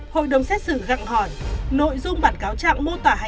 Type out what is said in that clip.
hội đồng xét xử gặng hỏi nội dung bản cáo trạng mô tả hành vi phạt